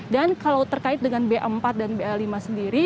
dan kalau terkait dengan ba empat dan ba lima sendiri